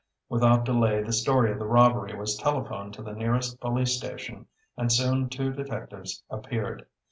Without delay the story of the robbery was telephoned to the nearest police station, and soon two detectives appeared.